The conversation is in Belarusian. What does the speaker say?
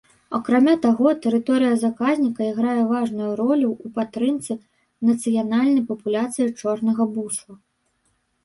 Акрамя таго, тэрыторыя заказніка іграе важную ролю ў падтрымцы нацыянальнай папуляцыі чорнага бусла.